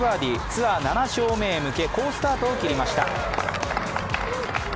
ツアー７勝目へ向け好スタートを切りました。